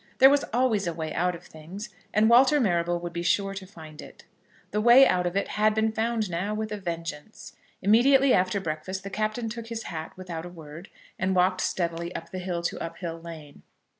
There was always a way out of things, and Walter Marrable would be sure to find it. The way out of it had been found now with a vengeance. Immediately after breakfast the Captain took his hat without a word, and walked steadily up the hill to Uphill Lane.